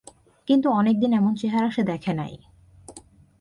কিন্তু অনেক দিন এমন চেহারা সে দেখে নাই।